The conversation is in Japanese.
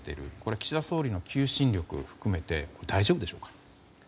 岸田総理の求心力を含めて大丈夫でしょうか？